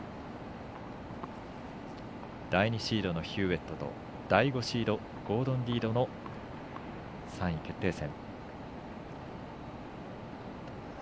第２シードのヒューウェットと第５シードゴードン・リードの３位決定戦。